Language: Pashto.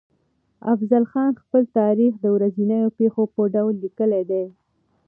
افضل خان خپل تاريخ د ورځنيو پېښو په ډول ليکلی دی.